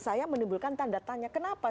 saya menimbulkan tanda tanya kenapa